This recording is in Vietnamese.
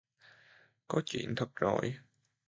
có chuyện thật rồi